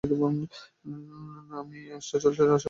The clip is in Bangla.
আমি স্টার জলসার আসর ছেড়ে জোরে দিলাম দৌড়।